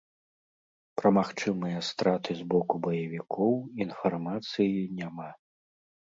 Пра магчымыя страты з боку баевікоў інфармацыі няма.